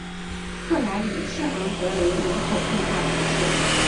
克莱里圣昂德雷人口变化图示